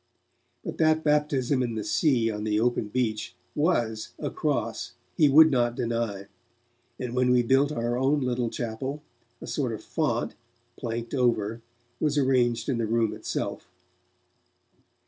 But that baptism in the sea on the open beach was a 'cross', he would not deny, and when we built our own little chapel, a sort of font, planked over, was arranged in the room itself.